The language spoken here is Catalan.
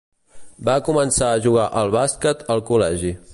Va començar a jugar al bàsquet al col·legi.